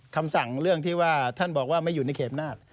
คำสั่งเรื่องที่ว่าท่านบอกว่าไม่อยู่ในเขตอำนาจ